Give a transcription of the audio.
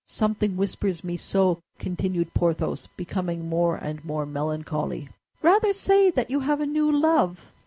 "Something whispers me so," continued Porthos, becoming more and more melancholy. "Rather say that you have a new love."